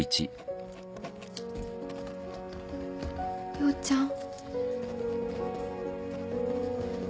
陽ちゃん。